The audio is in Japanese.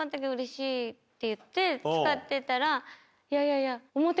って言って使ってたらいやいや。